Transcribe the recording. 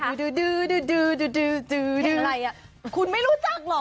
เพลงอะไรคุณไม่รู้จักหรอก